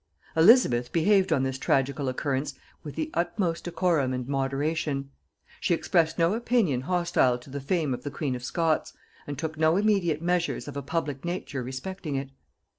Elizabeth behaved on this tragical occurrence with the utmost decorum and moderation; she expressed no opinion hostile to the fame of the queen of Scots, and took no immediate measures of a public nature respecting it.